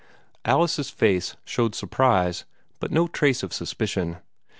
Alice's face showed surprise, but no trace of suspicion.